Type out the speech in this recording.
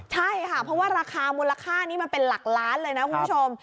ใช่ค่ะเพราะว่าราคามูลค่านี้มันเป็นหลักล้านเลยนะคุณผู้ชม